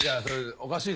おかしい